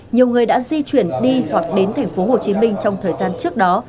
nhiều người đã di chuyển đi hoặc đến tp hcm trong thời gian trước đó